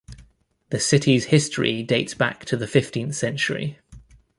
The city's history dates back to the fifteenth century.